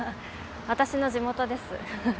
私の地元です。